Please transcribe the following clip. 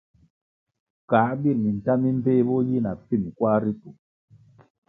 Kā birʼ minta mi mbpeh bo yi na pfim kwar ritu.